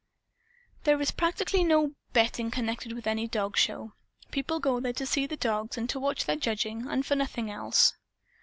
There is practically no betting connected with any dogshow. People go there to see the dogs and to watch their judging, and for nothing else.